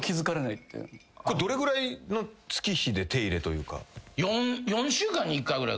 どれぐらいの月日で手入れというか。